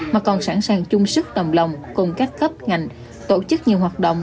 mà còn sẵn sàng chung sức tầm lòng cùng các cấp ngành tổ chức nhiều hoạt động